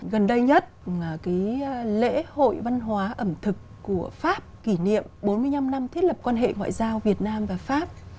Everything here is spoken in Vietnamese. gần đây nhất cái lễ hội văn hóa ẩm thực của pháp kỷ niệm bốn mươi năm năm thiết lập quan hệ ngoại giao việt nam và pháp